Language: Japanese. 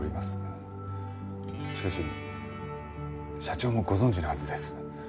しかし社長もご存じのはずです。